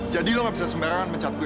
jadi lo gak bisa sembarangan mecat gue